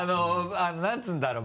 何て言うんだろう？